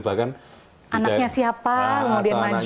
anaknya siapa kemudian maju